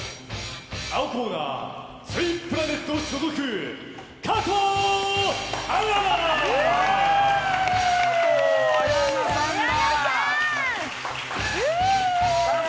青コーナーツインプラネット所属加藤綾菜！